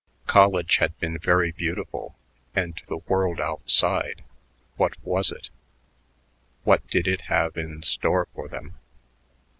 College had been very beautiful and the "world outside," what was it? What did it have in store for them?